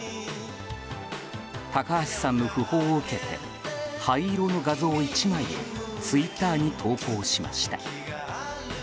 高橋さんの訃報を受けて灰色の画像１枚をツイッターに投稿しました。